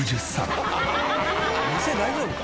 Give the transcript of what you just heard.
店大丈夫か？